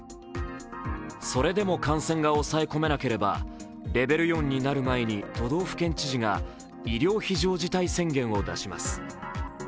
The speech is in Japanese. それでも感染が抑え込めなければレベル４になる前に都道府県知事が医療非常事態宣言を出します。